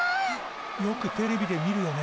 よくテレビで見るよね。